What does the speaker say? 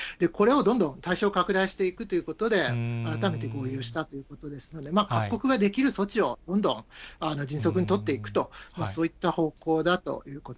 これをどんどん対象を拡大していくということで、改めて合意をしたということですので、各国ができる措置をどんどん迅速に取っていくと、そういった方向